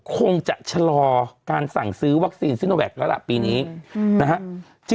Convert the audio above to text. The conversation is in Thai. คงจะชะลอการสั่งซื้อวัคซีนซิโนแวคแล้วล่ะปีนี้นะฮะ